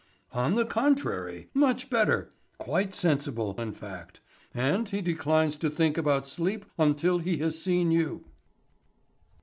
"On the contrary, much better; quite sensible, in fact; and he declines to think about sleep until he has seen you."